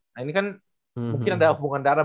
nah ini kan mungkin ada hubungan darah